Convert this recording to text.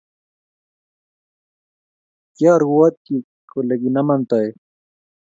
Kyarwotyi kole kinamaa toek